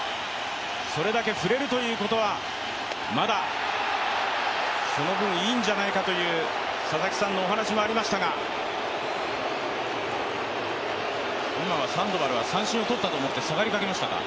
それだけ触れるということはまだいいんじゃないかと佐々木さんのお話もありましたが、今はサンドバルは三振をとったと思って下がりかけましたが。